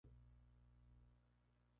El clima es templado y seco.